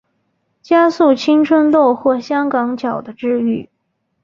加速青春痘或香港脚的治愈。